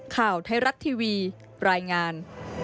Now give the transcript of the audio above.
ข่าวไทยรัฐทีวีรายงาน